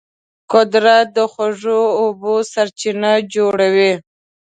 قدرت د خوږو اوبو سرچینې جوړوي.